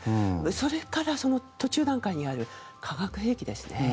それから途中段階にある化学兵器ですね。